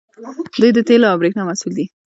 دوی د تیلو او بریښنا مسوول دي.